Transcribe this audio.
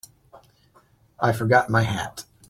I forgot my hat.